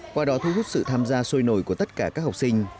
qua đó thu hút sự tham gia sôi nổi của tất cả các học sinh